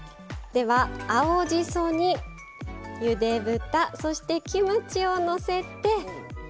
青じそに、ゆで豚そして、キムチをのせて。